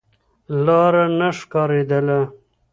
لاره نه ښکارېدله.